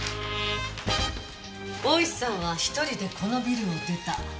大石さんは１人でこのビルを出た。